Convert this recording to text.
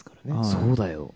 そうだよ。